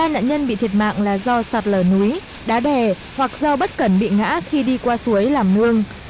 ba nạn nhân bị thiệt mạng là do sạt lở núi đá bè hoặc do bất cẩn bị ngã khi đi qua suối làm nương